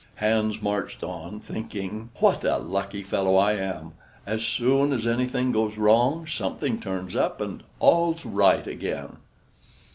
Hans marched on, thinking: "What a lucky fellow I am. As soon as anything goes wrong, something turns up and all's right again."